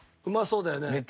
うまそうだよね。